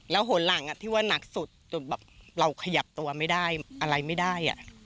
โหนหลังที่ว่านักสุดจนแบบเราขยับตัวไม่ได้อะไรไม่ได้